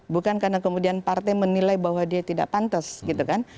bukan karena kemudian partai menilai bahwa dia tidak pantas gitu kan